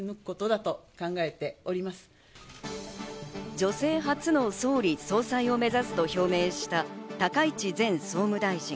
女性初の総理・総裁を目指すと表明した高市前総務大臣。